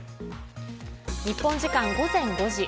日本時間、午前５時。